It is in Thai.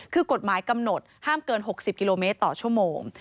คือกฎหมายกำหนดห้ามเกิน๖๐กิโลเมตรต่อชั่วโมง